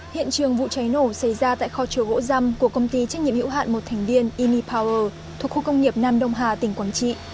hiện trường vụ cháy nổ xảy ra tại kho chứa gỗ răm của công ty trách nhiệm hữu hạn một thành viên inney power thuộc khu công nghiệp nam đông hà tỉnh quảng trị